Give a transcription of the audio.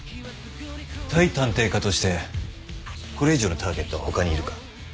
対探偵課としてこれ以上のターゲットは他にいるか？